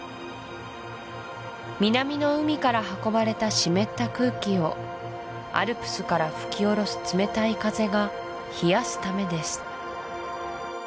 南の海から運ばれた湿った空気をアルプスから吹き降ろす冷たい風が冷やすためです